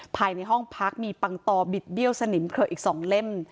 ภายในห้องพักมีปังตอบิดเบี้ยวสนิมเคลืออีก๒เล่ม